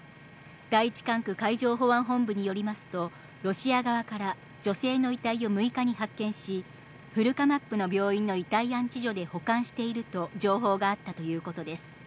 第１管区海上保安本部によりますと、ロシア側から女性の遺体を６日に発見し、古釜布の病院の遺体安置所で保管していると情報があったということです。